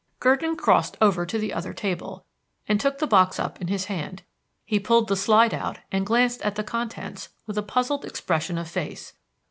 Gurdon crossed over to the other table, and took the box up in his hand. He pulled the slide out and glanced at the contents with a puzzled expression of face.